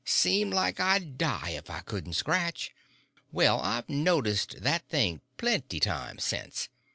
Seemed like I'd die if I couldn't scratch. Well, I've noticed that thing plenty times since.